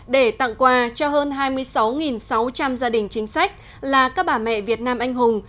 để tặng quà cho hơn hai mươi sáu sáu trăm linh gia đình chính sách là các bà mẹ việt nam anh hùng